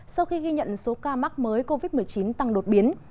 sau khi ghi nhận số ca mắc mới covid một mươi chín tăng đột biến